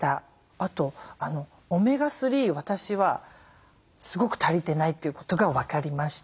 あとオメガ３を私はすごく足りてないということが分かりました。